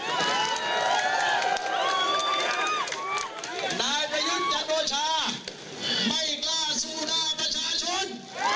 ประยุทธ์จันโอชาไม่กล้าสู้หน้าประชาชน